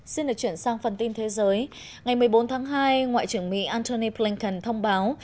xin được chuyển sang phần tin thế giới ngày một mươi bốn tháng hai ngoại trưởng mỹ antony blinken thông báo